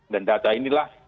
dan data inilah